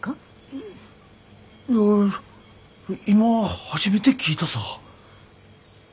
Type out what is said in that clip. いや今初めて聞いたさ。